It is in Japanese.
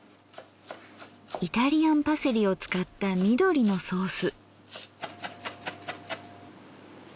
イタリアンパセリを使った緑のソース。